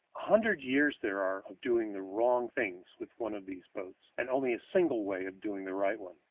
A hundred ways there are of doing the wrong thing with one of these boats, and only a single way of doing the right thing.